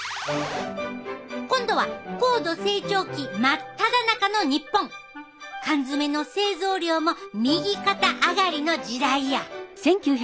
今度は高度成長期真っただ中の日本缶詰の製造量も右肩上がりの時代や。